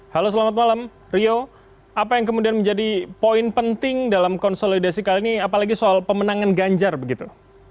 halo selamat malam rio apa yang kemudian menjadi poin penting dalam konsolidasi kali ini apalagi soal pemenangan ganjar begitu